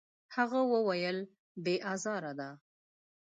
هغه وویل: «بې ازاره ده.»